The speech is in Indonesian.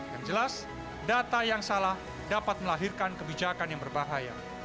yang jelas data yang salah dapat melahirkan kebijakan yang berbahaya